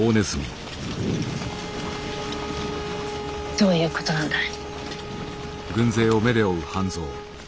どういうことなんだい？